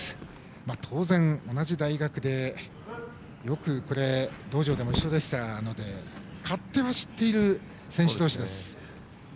当然、同じ大学でよく道場でも一緒ですから勝手は知っている選手同士です。